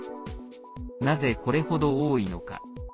なぜ、これ程、多いのか。